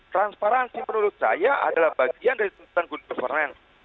transparansi menurut saya adalah bagian dari tuntutan good governance